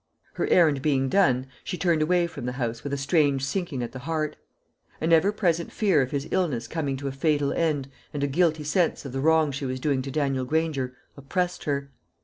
Her errand being done, she turned away from the house with a strange sinking at the heart. An ever present fear of his illness coming to a fatal end, and a guilty sense of the wrong she was doing to Daniel Granger, oppressed her.